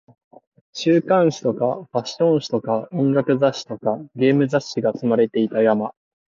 週刊誌とかファッション誌とか音楽雑誌とかゲーム雑誌が積まれていた山